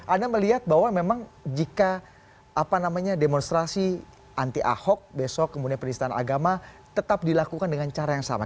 anda melihat bahwa memang jika demonstrasi anti ahok besok kemudian penistaan agama tetap dilakukan dengan cara yang sama